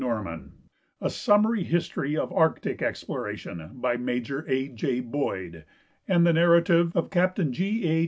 Norman; a siimmar}' liistory of Arctic exploration, by Major A. J. Boyd, and the narrative of Capt. G. A.